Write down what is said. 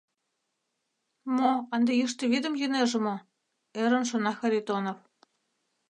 «Мо, ынде йӱштӧ вӱдым йӱнеже мо? — ӧрын шона Харитонов.